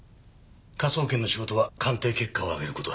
科捜研の仕事は鑑定結果を上げる事だ。